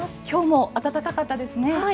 今日も暖かかったですね。